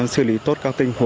sử lý tốt